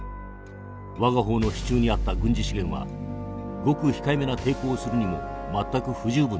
我が方の手中にあった軍事資源はごく控えめな抵抗をするにも全く不十分であった。